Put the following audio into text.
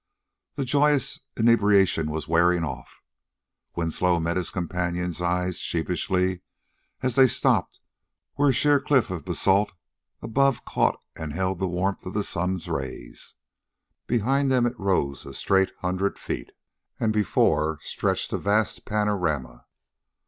The joyous inebriation was wearing off. Winslow met his companion's eyes sheepishly as they stopped where a sheer cliff of basalt above caught and held the warmth of the sun's rays. Behind them it rose a straight hundred feet, and before stretched a vast panorama.